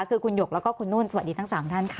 คือคุณหยกแล้วก็คุณนุ่นสวัสดีทั้ง๓ท่านค่ะ